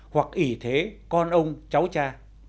hoặc ủy thế con ông cháu cha